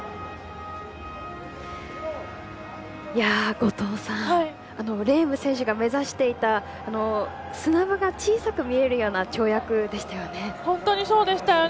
後藤さんレーム選手が目指していた砂場が小さく見えるような跳躍でしたよね。